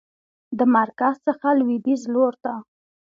د مرکز څخه لویدیځ لورته